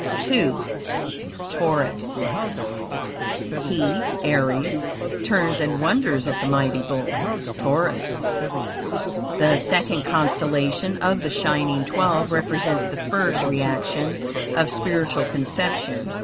II. Taurus "He (Aries) turns and wonders at the mighty Bull (Taurus)." The second constellation of the shining twelve represents the first reaction of spiritual conception.